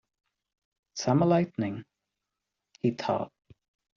"Summer lightning," he thought.